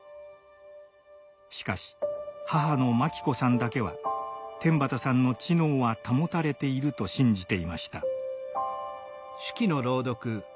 しかし母の万貴子さんだけは天畠さんの知能は保たれていると信じていました。